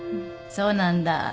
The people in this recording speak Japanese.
そうなんだ。